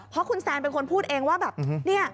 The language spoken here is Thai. เพราะคุณแซนเป็นคนพูดเองว่าแบบเนี่ย